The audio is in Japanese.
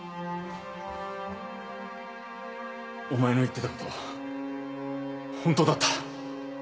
お前の言ってたこと本当だった